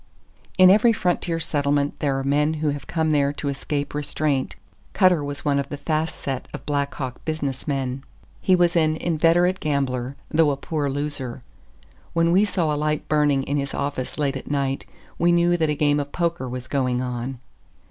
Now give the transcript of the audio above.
In every frontier settlement there are men who have come there to escape restraint. Cutter was one of the "fast set" of Black Hawk business men. He was an inveterate gambler, though a poor loser. When we saw a light burning in his office late at night, we knew that a game of poker was going on.